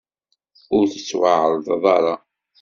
Ur tettwaεerḍeḍ ara.